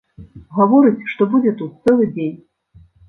Гаворыць, што будзе тут цэлы дзень.